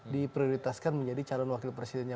diprioritaskan menjadi calon wakil presidennya